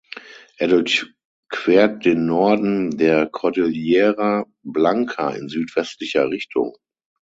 Er durchquert den Norden der Cordillera Blanca in südwestlicher Richtung.